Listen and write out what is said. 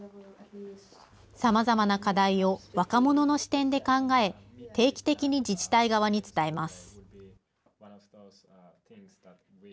さまざまな課題を若者の視点で考え、定期的に自治体側に伝えます。